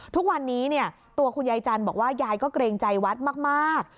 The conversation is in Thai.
ทุกวันนี้ตัวคุณยายจันทร์บอกว่ายายก็เกรงใจวัดมาก